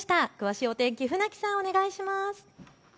詳しいお天気、船木さんお願いします。